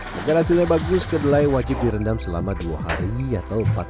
karena hasilnya bagus kedelai wajib direndam selama dua hari atau empat puluh delapan jam